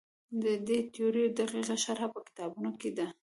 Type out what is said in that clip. د دې تیورۍ دقیقه شرحه په کتابونو کې ده.